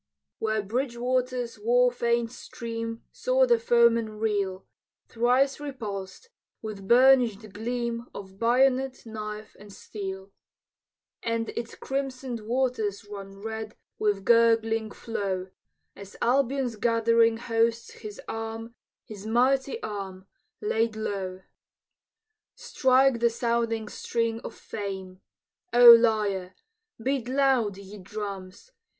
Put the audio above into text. Where Bridgewater's war famed stream Saw the foemen reel, Thrice repulsed, with burnish'd gleam Of bayonet, knife, and steel; And its crimson'd waters run Red with gurgling flow, As Albion's gathering hosts his arm, His mighty arm, laid low. Strike the sounding string of fame, O lyre! Beat loud, ye drums!